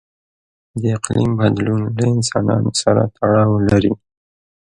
د اقلیم بدلون له انسانانو سره تړاو لري.